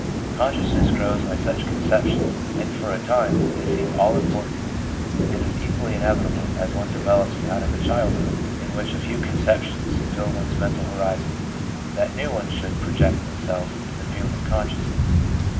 Consciousness grows by such conceptions, and for a time they seem all important It is equally inevitable, as one develops out of a child hood in which a few conceptions fill one's mental horizon, that new ones should project themselves into the field of consciousness.